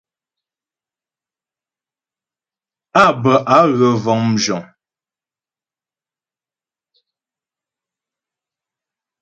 Á bə á gə vəŋ mzhəŋ (wagons).